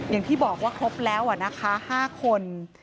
อย่างที่บอกว่าครบแล้วนะคะ๕คน